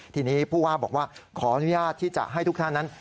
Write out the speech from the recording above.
ทีนี้ผู้ว่าบอกว่าขออนุญาตที่จะให้ทุกท่านนั้น